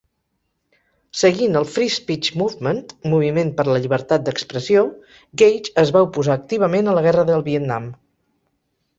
Seguint el Free Speech Movement (Moviment per la Llibertat d'Expressió), Gage es va oposar activament a la guerra del Vietnam.